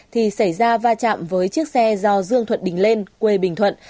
thì xảy ra va chạm với chiếc xe do dương thuận đình lên quê bình thuận